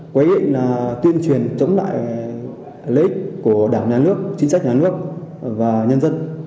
quấy lệnh là tuyên truyền chống lại lợi ích của đảng nhà nước chính sách nhà nước và nhân dân